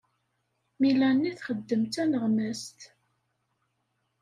Melanie txeddem d taneɣmast.